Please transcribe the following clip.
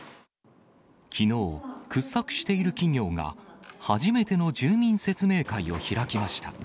きのう、掘削している企業が、初めての住民説明会を開きました。